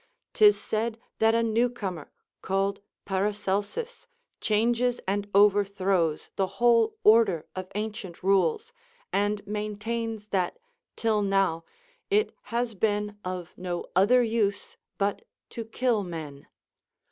'Tis said that a new comer, called Paracelsus, changes and overthrows the whole order of ancient rules, and maintains that, till now, it has been of no other use but to kill men.